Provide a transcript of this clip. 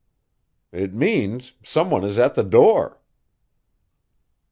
"It means some one is at the door."